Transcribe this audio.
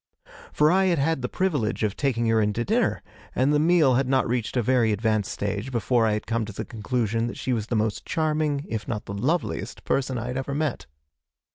For I had had the privilege of taking her in to dinner, and the meal had not reached a very advanced stage before I had come to the conclusion that she was the most charming, if not the loveliest, person I had ever met.